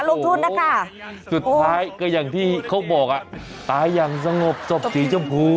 ลงทุนนะคะสุดท้ายก็อย่างที่เขาบอกอ่ะตายอย่างสงบศพสีชมพู